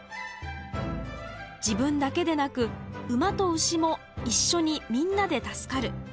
自分だけでなく馬と牛も一緒にみんなで助かる。